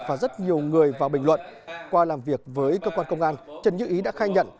và rất nhiều người vào bình luận qua làm việc với cơ quan công an trần như ý đã khai nhận